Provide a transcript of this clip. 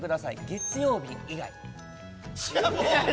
月曜日以外。